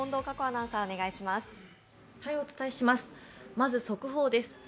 まず速報です。